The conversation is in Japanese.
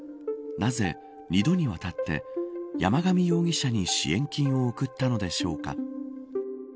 なぜ、２度にわたって山上容疑者に支援金を送ったのでしょうか。